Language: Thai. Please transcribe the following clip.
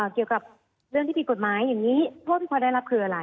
เกี่ยวกับเรื่องที่มีกฎไม้โทษที่พอได้รับคืออะไร